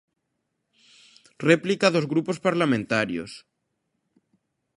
Réplica dos grupos parlamentarios.